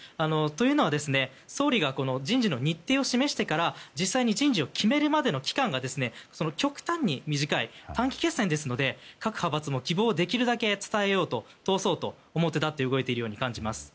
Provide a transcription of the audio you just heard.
というのは総理が人事の日程を示してから実際に人事を決めるまでの期間が極端に短い、短期決戦ですので各派閥も希望をできるだけ伝えようと通そうと思って動いているように感じます。